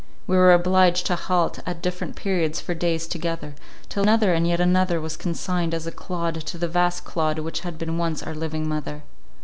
We were obliged to halt at different periods for days together, till another and yet another was consigned as a clod to the vast clod which had been once our living mother.